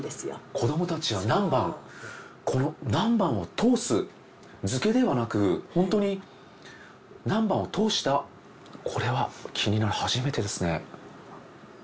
子どもたちは南蛮この南蛮を通す漬けではなく本当に南蛮を通したこれは気になる初めてですね。